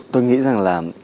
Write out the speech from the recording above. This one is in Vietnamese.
tôi nghĩ rằng là